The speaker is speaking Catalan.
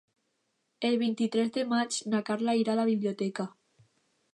El vint-i-tres de maig na Carla irà a la biblioteca.